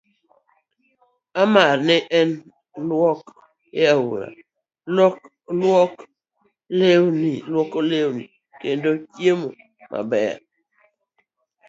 A. mar Ne en lwok e aora, lwoko lewni, kendo chiemo maber